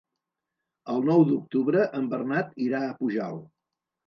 El nou d'octubre en Bernat irà a Pujalt.